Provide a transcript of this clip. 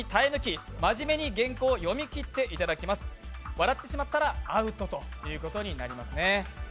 笑ってしまったらアウトということになりますね。